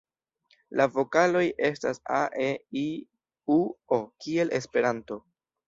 La vokaloj estas a,e,i,u,o kiel Esperanto.